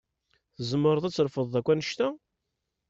Tzemreḍ ad trefdeḍ akk annect-a?